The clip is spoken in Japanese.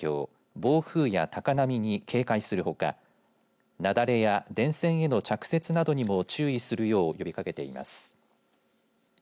暴風や高波に警戒するほか雪崩や電線への着雪などにも注意するよう呼びかけています。